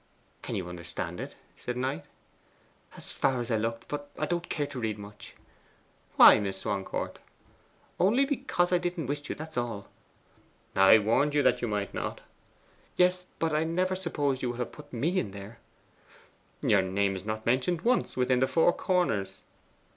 'Could you understand it?' said Knight. 'As far as I looked. But I didn't care to read much.' 'Why, Miss Swancourt?' 'Only because I didn't wish to that's all.' 'I warned you that you might not.' 'Yes, but I never supposed you would have put me there.' 'Your name is not mentioned once within the four corners.